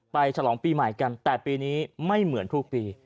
ฉลองปีใหม่กันแต่ปีนี้ไม่เหมือนทุกปี